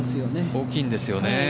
大きいんですよね。